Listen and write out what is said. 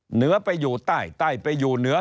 เหนือไปอยู่ใต้ใต้ไปอยู่เหนือ